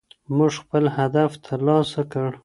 موږ خپل هدف ترلاسه کړ.